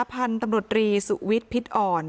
พันธุ์ตำรวจริสุอวิทย์พิสอร์ฯ